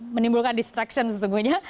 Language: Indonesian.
menimbulkan distraction sesungguhnya